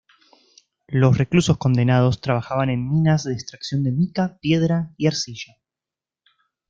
Los reclusos condenados trabajaban en minas de extracción de mica, piedra y arcilla.